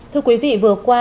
thưa quý vị vừa qua